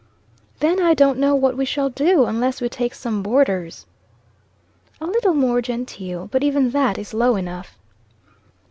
"Then I don't know what we shall do, unless we take some boarders." "A little more genteel. But even that is low enough."